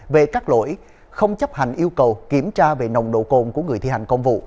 về các lỗi không chấp hành yêu cầu kiểm tra về nồng độ cồn của người thi hành công vụ